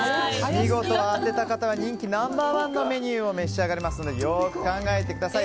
見事当てた方は人気ナンバー１のメニューを召し上がれますのでよく考えてください。